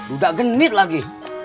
udah genit lagi